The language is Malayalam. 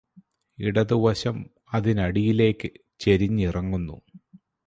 ഇടതുവശം അതിനടിയിലേയ്ക് ചരിഞ്ഞിറങ്ങുന്നു